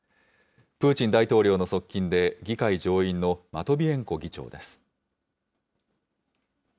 プーチン大統領の側近で、議会上院のマトビエンコ議長です。